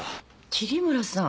桐村さん。